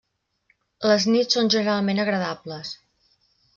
Les nits són generalment agradables.